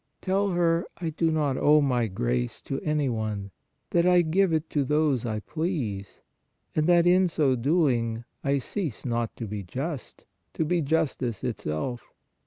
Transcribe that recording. Tell her I do not owe My grace to any one, that I give it to those I please, and that, in so doing, I cease not to be just, to be Justice itself.